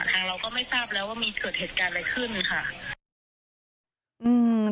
ทางเราก็ไม่ทราบแล้วว่ามีเกิดเหตุการณ์อะไรขึ้นค่ะอืม